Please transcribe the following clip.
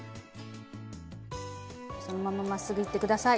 そのまままっすぐいって下さい。